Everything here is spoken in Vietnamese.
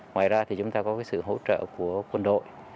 ngoài ra thì chúng ta có cái sự hỗ trợ của quân đội